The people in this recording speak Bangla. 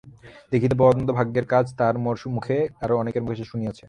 দেখিতে পাওয়া অত্যন্ত ভাগ্যের কাজ-তাহার মোর মুখে, আরও অনেকের মুখে সে শুনিয়াছে।